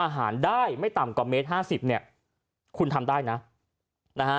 อาหารได้ไม่ต่ำกว่าเมตรห้าสิบเนี่ยคุณทำได้นะนะฮะ